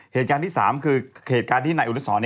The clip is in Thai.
เหตุการณ์ที่๓คือเหตุการณ์ที่นายอนุสร